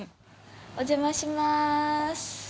お邪魔します。